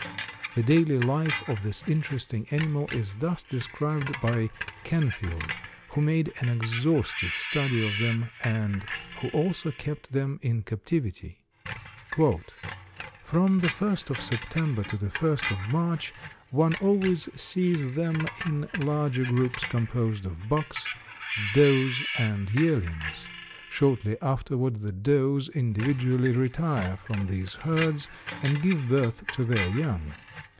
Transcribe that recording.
The daily life of this interesting animal is thus described by Canfield, who made an exhaustive study of them and who also kept them in captivity: "From the first of September to the first of March one always sees them in larger groups composed of bucks, does and yearlings. Shortly afterward the does individually retire from these herds and give birth to their young.